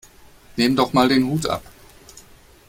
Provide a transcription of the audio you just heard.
Nimm doch mal den Hut ab!